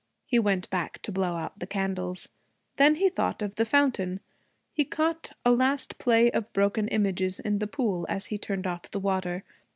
He went back to blow out the candles. Then he thought of the fountain. He caught a last play of broken images in the pool as he turned off the water.